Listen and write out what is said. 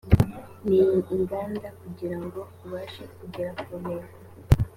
n iy inganda kugirango ubashe kugera ku ntego